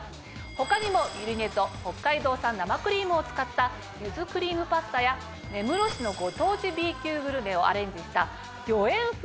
他にもゆり根と北海道産生クリームを使った柚子クリームパスタや根室市のご当地Ｂ級グルメをアレンジした。